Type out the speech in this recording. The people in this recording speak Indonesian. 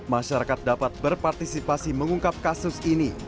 masyarakat dapat berpartisipasi mengungkap kasus ini